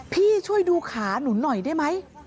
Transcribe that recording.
พี่ช่วยดูขาหนูหน่อยได้ไหม